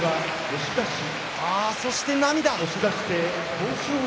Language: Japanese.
そして涙。